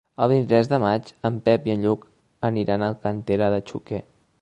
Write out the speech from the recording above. El vint-i-tres de maig en Pep i en Lluc aniran a Alcàntera de Xúquer.